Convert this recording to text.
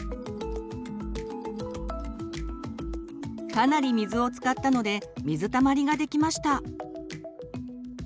かなり水を使ったので水たまりができました。